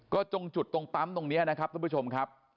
ก็ตรงจุดตรงปั๊มตรงนี้นะครับท่านผู้ชมครับ